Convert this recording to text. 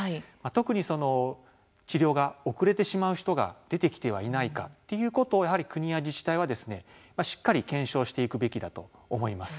特に、治療が遅れてしまう人が出てきてはいないかということをやはり国や自治体は、しっかり検証していくべきだと思います。